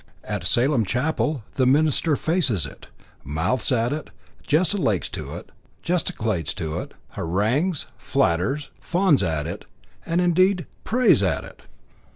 At Salem Chapel the minister faces it, mouths at it, gesticulates to it, harangues, flatters, fawns at it, and, indeed, prays at it.